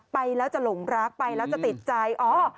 ไปแล้วจะหลงรักไปแล้วจะติดใจอ๋อ